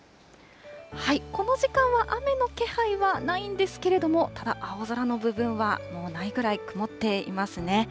この時間は、雨の気配はないんですけれども、ただ、青空の部分はもうないぐらい曇っていますね。